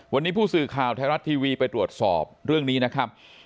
วันนี้ผู้สื่อข่าวไทยรัฐทีวีไปตรวจสอบเรื่องนี้นะครับ